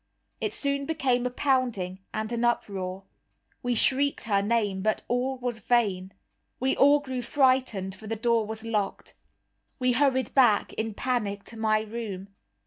It soon became a pounding and an uproar. We shrieked her name, but all was vain. We all grew frightened, for the door was locked. We hurried back, in panic, to my room.